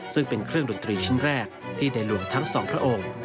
ซึ่งเป็นเครื่องดนตรีชิ้นแรกที่ในหลวงทั้งสองพระองค์